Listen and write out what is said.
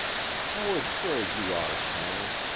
"How absurd you are, Tom!